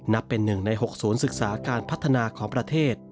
นับเป็น๑ใน๖ศูนย์ศึกษาการพัฒนาของประเทศ